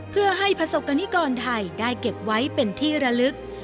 เพื่อให้ประสบกรณิกรไทยได้เก็บไว้เป็นที่ระลึก